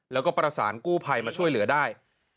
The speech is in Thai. แล้วก็ประสานกู้ภัยมาช่วยเหลือได้